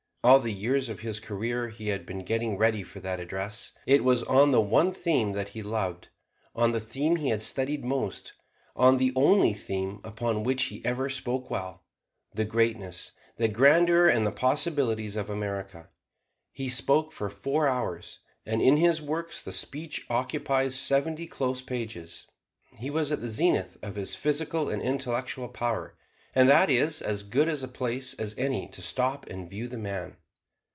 All the years of his career he had been getting ready for that address. It was on the one theme that he loved; on the theme he had studied most; on the only theme upon which he ever spoke well the greatness, the grandeur and the possibilities of America. He spoke for four hours, and in his works the speech occupies seventy close pages. He was at the zenith of his physical and intellectual power, and that is as good a place as any to stop and view the man.